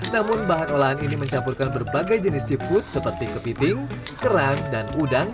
namun bahan olahan ini mencampurkan berbagai jenis seafood seperti kepiting kerang dan udang